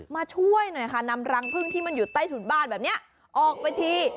มาช่วยหน่อยค่ะนำรังพึ่งที่มันอยู่ใต้ถุนบ้านแบบนี้ออกไปที